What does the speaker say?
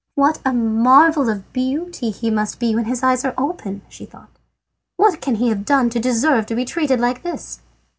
"What a marvel of beauty he must be when his eyes are open!" she thought. "What can he have done to deserve to be treated like this?"